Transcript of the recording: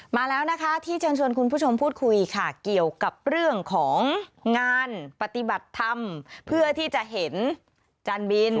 มาแล้วนะคะที่เชิญชวนคุณผู้ชมพูดคุยค่ะเกี่ยวกับเรื่องของงานปฏิบัติธรรมเพื่อที่จะเห็นจานบิน